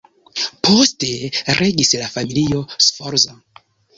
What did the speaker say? Poste regis la familio Sforza.